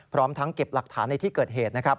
พร้อมทั้งเก็บหลักฐานในที่เกิดเหตุนะครับ